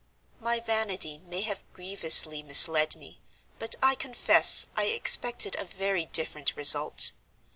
"My vanity may have grievously misled me, but I confess I expected a very different result.